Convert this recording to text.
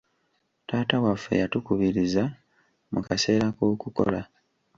Taata waffe yatukubiriza mu kaseera k'okukola.